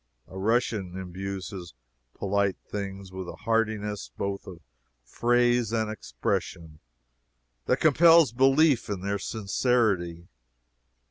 A Russian imbues his polite things with a heartiness, both of phrase and expression, that compels belief in their sincerity.